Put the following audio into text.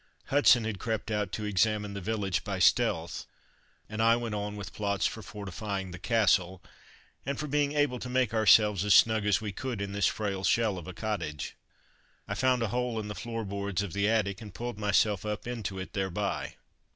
Hudson had crept out to examine the village by stealth, and I went on with plots for fortifying the "castle," and for being able to make ourselves as snug as we could in this frail shell of a cottage. I found a hole in the floor boards of the attic and pulled myself up into it thereby.